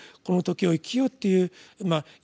この「時」を生きようっていうまあ